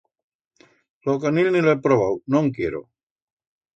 Lo conil ni lo he probau, no'n quiero.